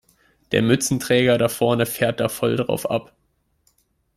Der Mützenträger da vorne fährt da voll drauf ab.